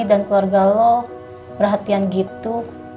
dan keluarga lo perhatian gitu